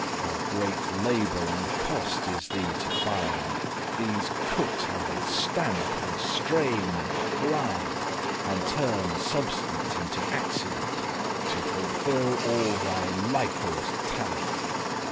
How great labour and cost is thee to find!* *supply These cookes how they stamp, and strain, and grind, And turne substance into accident, To fulfill all thy likerous talent!